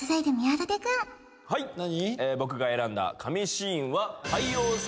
はい何？